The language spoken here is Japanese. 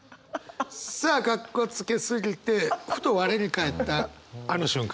さあカッコつけ過ぎてふと我に返ったあの瞬間。